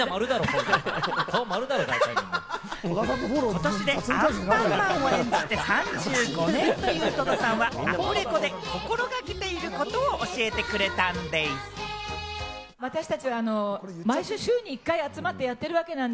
今年でアンパンマンを演じて３５年という戸田さんは、アフレコで心掛けていることを教えてくれたんでぃす！男性）